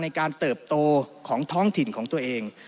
การเติบโตของท้องถิ่นของตัวเอง